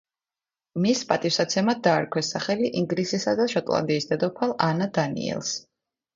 მის პატივსაცემად დაარქვეს სახელი ინგლისისა და შოტლანდიის დედოფალ ანა დანიელს.